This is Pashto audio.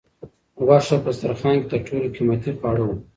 غوښه په دسترخوان کې تر ټولو قیمتي خواړه وو.